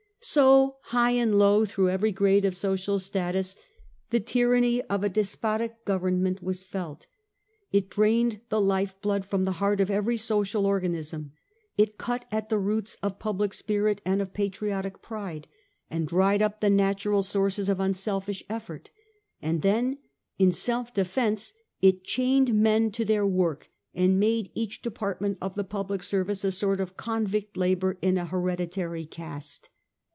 So, high and low, through every grade of social status, the tyranny of a despotic government was felt. It drained the life blood from the heart of every social organism ; it cut at the roots of public spirit and of patriotic pride, and dried up the natural sources of unselfish effort. And then, in self defence, it chained men to their work, and made each department of the public service a sort of convict labour in an hereditary caste.